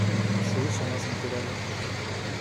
Se usa más en plural.